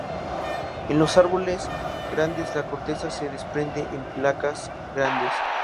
En los árboles grandes la corteza se desprende en placas grandes.